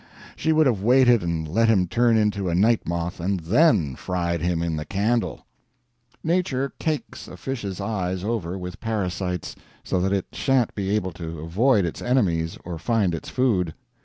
She would have waited and let him turn into a night moth; and then fried him in the candle. Nature cakes a fish's eyes over with parasites, so that it shan't be able to avoid its enemies or find its food.